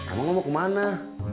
emang mau kemana